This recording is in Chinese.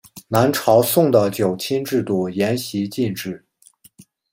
南朝宋的九卿制度沿袭晋制。